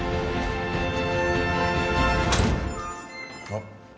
あっ。